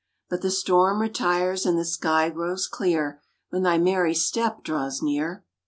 But the storm retires, and the sky grows clear, When thy merry step draws near.